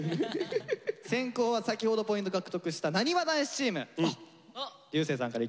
先攻は先ほどポイント獲得したなにわ男子チーム流星さんからいきます。